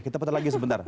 kita putar lagi sebentar